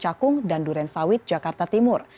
cakung dan duren sawit jakarta timur